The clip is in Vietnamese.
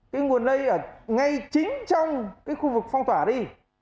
cái nguồn lây ở ngay chính trong cái khu vực phong tỏa đi